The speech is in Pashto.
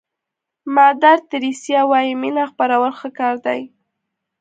مادر تریسیا وایي مینه خپرول ښه کار دی.